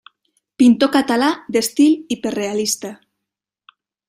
Pintor català d'estil hiperrealista.